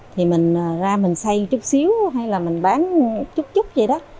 thì mình ra mình xây chút xíu hay là mình bán chút chút vậy đó rồi giao cho người ta